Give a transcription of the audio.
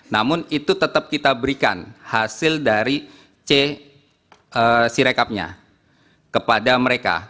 namun itu tetap kita berikan hasil dari c sirekapnya kepada mereka